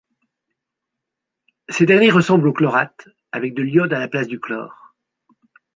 Ces derniers ressemblent aux chlorates, avec de l'iode à la place du chlore.